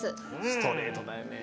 ストレートだよね。